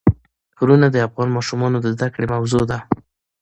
غرونه د افغان ماشومانو د زده کړې موضوع ده.